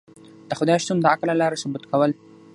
د خدای شتون د عقل له لاری ثبوت کول